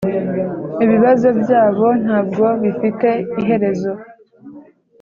Ibibazo byabo ntabwo bifite iherezo